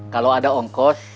kalau ada ongkos